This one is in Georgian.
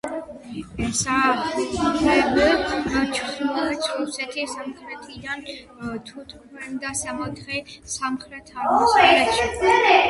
ესაზღვრება ჩრდილოეთიდან რუსეთი, სამხრეთიდან თურქეთი და სომხეთი, და სამხრეთ-აღმოსავლეთიდან აზერბაიჯანი.